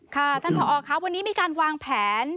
ค่ะท่านผอค่ะวันนี้มีการวางแผน